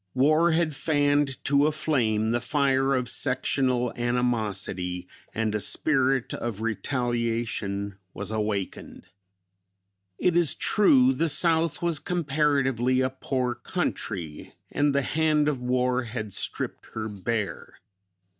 War had fanned to a flame the fire of sectional animosity, and a spirit of retaliation was awakened. It is true the South was comparatively a poor country, and the hand of war had stripped her bare.